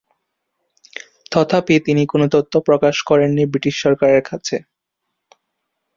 তথাপি তিনি কোন তথ্য প্রকাশ করেন নি ব্রিটিশ সরকারের কাছে।